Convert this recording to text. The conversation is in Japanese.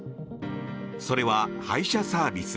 それは配車サービス。